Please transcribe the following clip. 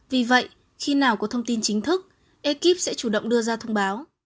vì vậy khi nào có thông tin chính thức ekip sẽ chủ động đưa ra thông báo